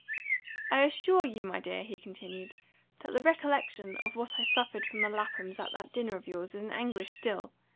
"I assure you, my dear," he continued, "that the recollection of what I suffered from the Laphams at that dinner of yours is an anguish still.